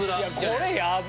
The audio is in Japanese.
これやばい！